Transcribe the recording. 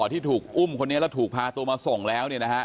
ที่ถูกอุ้มคนนี้แล้วถูกพาตัวมาส่งแล้ว